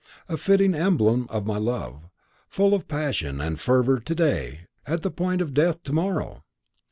A fitting emblem of my love full of passion and fervour to day, at the point of death to morrow.